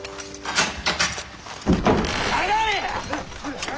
下がれや！